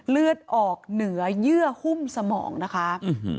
เลือดออกเหนือเยื่อหุ้มสมองนะคะ